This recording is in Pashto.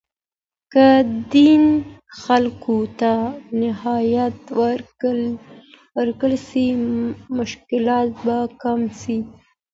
که دین خلګو ته نهایت ورکړل سي، مشکلات به کم سي.